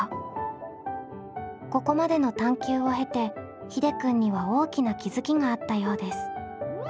ここまでの探究を経てひでくんには大きな気付きがあったようです。